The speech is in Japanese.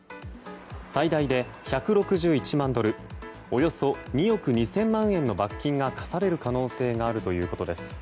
最大で１６１万ドルおよそ２億２０００万円の罰金が科される可能性があるということです。